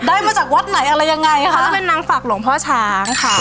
มาจากวัดไหนอะไรยังไงเขาจะเป็นนางฝากหลวงพ่อช้างค่ะ